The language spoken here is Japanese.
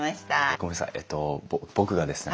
ごめんなさいえっと僕がですね